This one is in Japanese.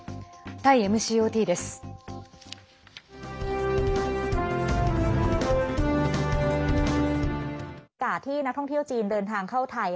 タイＭＣＯＴです。